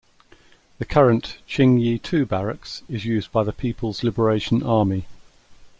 The current Ching Yi To Barracks is used by the People's Liberation Army.